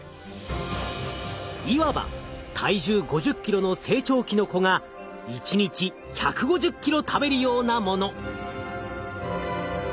いわば体重５０ｋｇの成長期の子が１日１５０ｋｇ食べるようなもの。